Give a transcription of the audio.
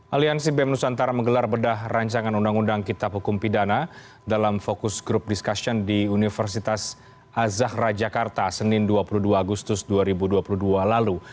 aliansi bem nusantara menggelar bedah rancangan undang undang kitab hukum pidana dalam fokus grup diskusi di universitas azahra jakarta senin dua puluh dua agustus dua ribu dua puluh dua lalu